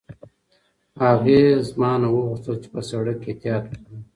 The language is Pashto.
هغې له ما نه وغوښتل چې په سړک کې احتیاط وکړم.